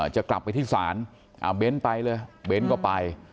จะกลับไปที่ศาลเบ้นไปเลยเบ้นก็ไป